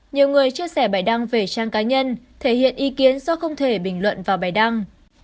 nhiều người chia sẻ bài đăng về trang cá nhân thể hiện ý kiến do không thể bình luận vào bài đăng